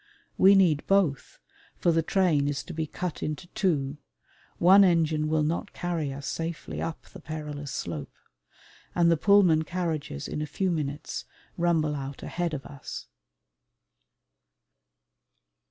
We need both, for the train is to be cut into two one engine will not carry us safely up the perilous slope and the Pullman carriages in a few minutes rumble out ahead of us.